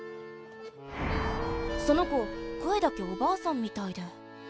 その子声だけおばあさんみたいで。